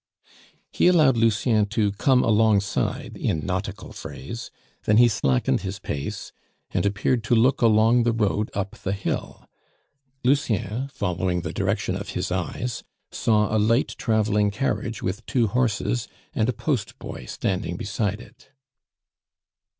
He allowed Lucien to come alongside in nautical phrase; then he slackened his pace, and appeared to look along the road up the hill; Lucien, following the direction of his eyes, saw a light traveling carriage with two horses, and a post boy standing beside it.